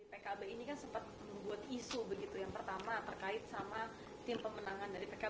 pkb ini kan sempat membuat isu begitu yang pertama terkait sama tim pemenangan dari pkb